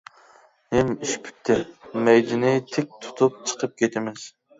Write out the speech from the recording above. ھىم، ئىش پۈتتى، مەيدىنى تىك تۇتۇپ چىقىپ كېتىمىز.